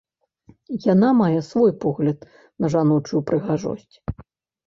Яна мае свой погляд на жаночую прыгажосць.